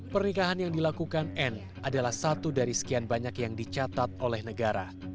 pernikahan yang dilakukan anne adalah satu dari sekian banyak yang dicatat oleh negara